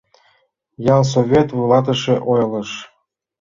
Ялсовет вуйлатыше ойлыш: